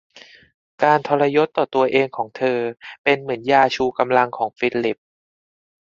การทรยศต่อตัวเองของเธอเป็นเหมือนยาชูกำลังของฟิลิป